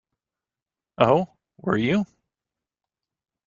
Oh, were you?